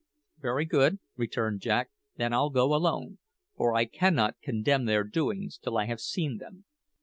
"Very good," returned Jack; "then I'll go alone, for I cannot condemn their doings till I have seen them."